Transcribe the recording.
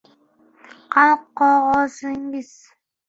— Qani qog‘ozingiz?